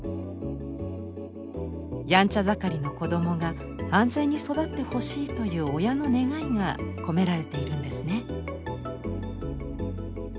やんちゃ盛りの子どもが安全に育ってほしいという親の願いが込められているんですね。